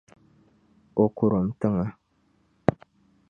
O kurim tiŋa.